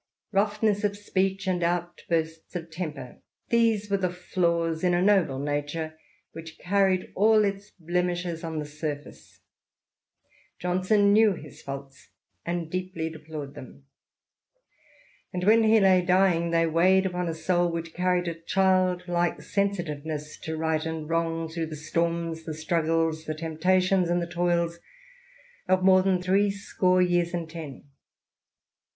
Roughness of speech and outbursts of temper, these were the flaws in a noble character, which carried all its blemishes on the surface. Johnson knew his faults, and deeply deplored them ; and when he lay dying, they weighed upon a soul which had carried a childlike sensitiveness to right and wrong through the storms, the struggles, the temptations, and the toils of more than three score years and ten.